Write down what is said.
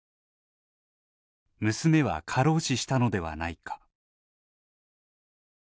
娘は過労死したのではないか。